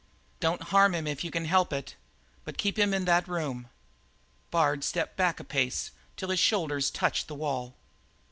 "Don't harm him if you can help it. But keep him in that room!" Bard stepped back a pace till his shoulders touched the wall.